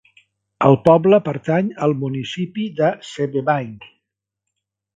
El poble pertany al municipi de Sebewaing.